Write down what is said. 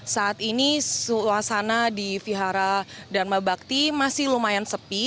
saat ini suasana di vihara dharma bakti masih lumayan sepi